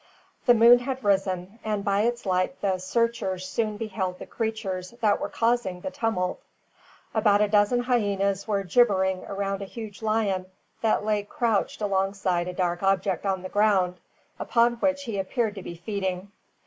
The moon had risen, and by its light the searchers soon beheld the creatures that were causing the tumult. About a dozen hyenas were gibbering around a huge lion that lay crouched alongside a dark object on the ground, upon which he appeared to be feeding.